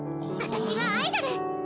私はアイドル！